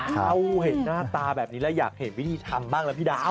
เขาเห็นหน้าตาแบบนี้แล้วอยากเห็นวิธีทำบ้างแล้วพี่ดาว